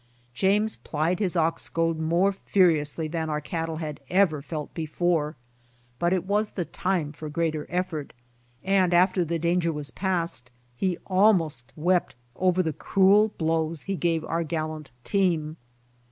James plied his. ox goad more furiously than our cattle had ever felt before, but it was the time for greater effort, and after the danger was past he almost wept over 74 BY ox TEAM TO CALIFORNIA the cruel blows he gave our gallant team.